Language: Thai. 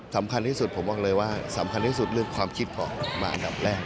สำคัญที่สุดผมบอกเลยว่าสำคัญที่สุดเรื่องความคิดผมมาอันดับแรก